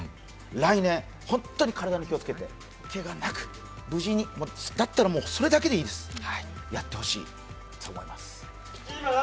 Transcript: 来年、本当に体に気をつけて、けがなく無事に、だったら、もうそれだけでいいですやってほしい、そう思います。